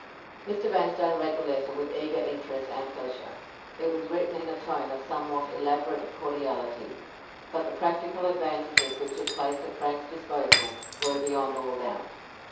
Mr. Vanstone read the letter with eager interest and pleasure. It was written in a tone of somewhat elaborate cordiality; but the practical advantages which it placed at Frank's disposal were beyond all doubt.